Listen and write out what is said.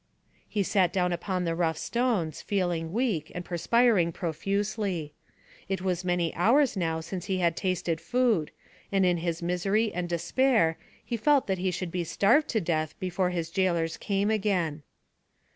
He sat down upon the rough stones, feeling weak, and perspiring profusely. It was many hours now since he had tasted food, and in his misery and despair he felt that he should be starved to death before his gaolers came again.